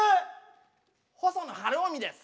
細野晴臣です。